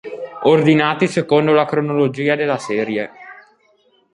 Ordinati secondo la cronologia della serie